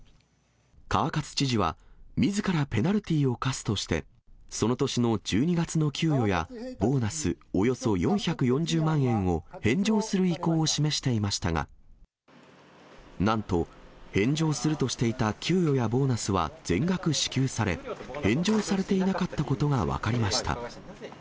川勝知事は、みずからペナルティーを課すとして、その年の１２月の給与やボーナス、およそ４４０万円を返上する意向を示していましたが、なんと、返上するとしていた給与やボーナスは全額支給され、返上されていなかったことが分かりました。